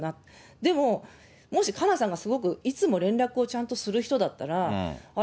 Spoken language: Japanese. でも、もし花夏さんがすごくいつも連絡をちゃんとする人だったら、あれ？